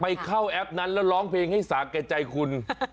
แป๊บนั้นแล้วร้องเพลงให้สาขาใจคุณ